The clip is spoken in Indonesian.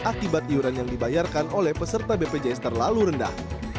akibat iuran yang dibayarkan oleh peserta bpjs terlalu rendah